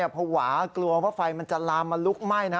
เพราะว่ากลัวว่าไฟมันจะลามมาลุกไหม้